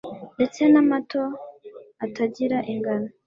ndetse n'amato atagira ingano